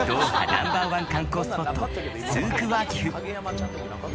ナンバーワン観光スポットスーク・ワーキフ。